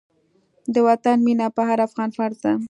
د وطن مينه په هر افغان فرض ده.